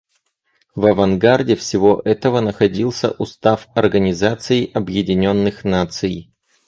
В авангарде всего этого находился Устав Организации Объединенных Наций.